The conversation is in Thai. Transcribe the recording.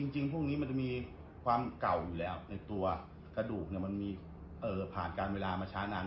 จริงพวกนี้มันจะมีความเก่าอยู่แล้วในตัวกระดูกมันมีผ่านการเวลามาช้านาน